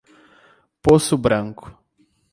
Poço Branco